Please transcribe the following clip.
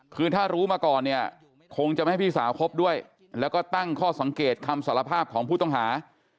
คือถ้ารู้มาก่อนเนี่ยคงจะไม่ให้พี่สาวคบด้วยแล้วก็ตั้งข้อสังเกตคำสารภาพของผู้ต้องหา